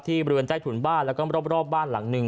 บริเวณใต้ถุนบ้านแล้วก็รอบบ้านหลังหนึ่ง